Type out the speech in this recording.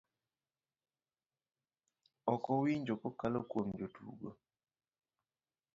ok owinjo kokalo kuom jotugo,